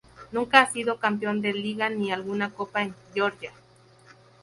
Nunca ha sido campeón de Liga ni alguna Copa en Georgia.